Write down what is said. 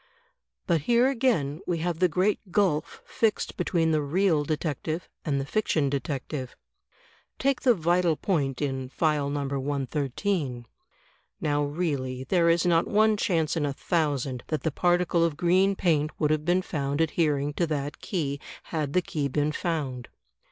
But here again we have the great gulf fixed between the Real Detective and the Fiction Detective. Take the vital point in " File No. 113." Now really there is not one chance in a thousand that the particle of green paint would have been found adhering to that key, had the key been foimd.